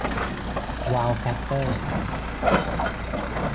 วาว แฟคเตอร์